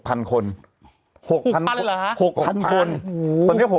๖ไปเลยเหรอฮะ๖๐๐๐คน